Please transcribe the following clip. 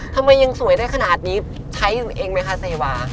ทำไมยังสวยได้ขนาดนี้ใช้เองไหมคะเซวา